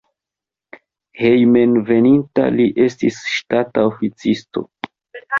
Hejmenveninta li estis ŝtata oficisto.